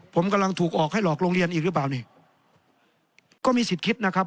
ผมกำลังถูกออกให้หลอกโรงเรียนอีกหรือเปล่านี่ก็มีสิทธิ์คิดนะครับ